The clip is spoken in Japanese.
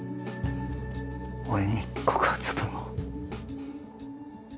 俺に告発文を？